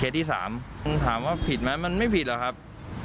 ที่๓ถามว่าผิดไหมมันไม่ผิดหรอกครับ